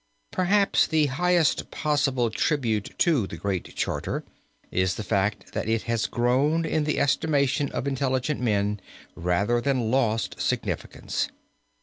Perhaps the highest possible tribute to the Great Charter is the fact that it has grown in the estimation of intelligent men, rather than lost significance.